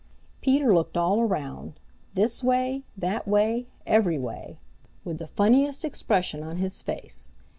Peter looked all around, this way, that way, every way, with the funniest expression on his face.